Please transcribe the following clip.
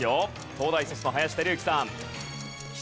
東大卒の林輝幸さん。